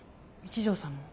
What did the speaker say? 一条さんも？